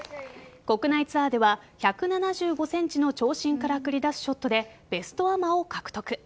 国内ツアーでは１７５ｃｍの長身から繰り出すショットでベストアマを獲得。